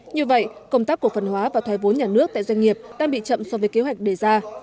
như vậy công tác cổ phần hóa và thoái vốn nhà nước tại doanh nghiệp đang bị chậm so với kế hoạch đề ra